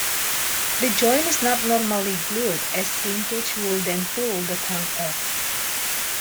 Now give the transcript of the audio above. The joint is not normally glued, as shrinkage would then pull the tongue off.